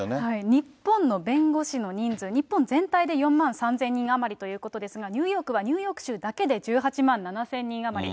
日本の弁護士の人数、日本全体で４万３０００人余りということですが、ニューヨークは、ニューヨーク州だけで１８万７０００人余り。